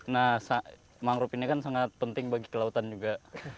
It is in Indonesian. nah mangrove ini kan sangat penting bagi kelautan juga